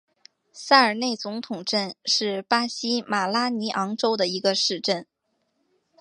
萨尔内总统镇是巴西马拉尼昂州的一个市镇。